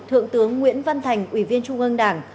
thượng tướng nguyễn văn thành ủy viên trung ương đảng